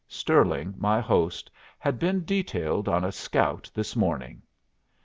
Stirling, my host, had been detailed on a scout this morning!